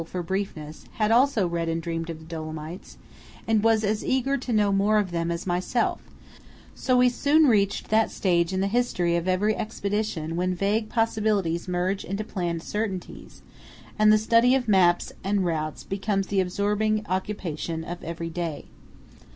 for briefness) had also read and dreamed of Dolomites, and was as eager to know more of them as myself; so we soon reached that stage in the history of every expedition when vague possibilities merge into planned certainties, and the study of maps and routes becomes the absorbing occupation of every day.